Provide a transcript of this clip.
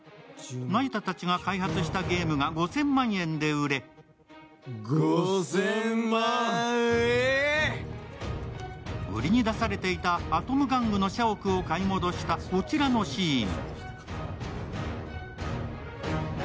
那由他たちが開発したゲームが５０００万円で売れ売りに出されていたアトム玩具の社屋を買い戻したこちらのシーン。